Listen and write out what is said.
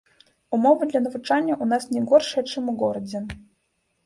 Умовы для навучання ў нас не горшыя, чым у горадзе.